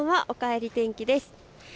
おかえり天気です。